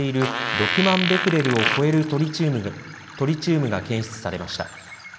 ６万ベクレルを超えるトリチウムが検出されました。